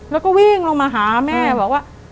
แล้วก็วิ่งลงมาหาแม่บอกว่า